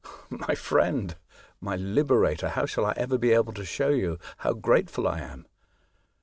"My friend, my liberator, how shall I ever be able to show you how grateful I am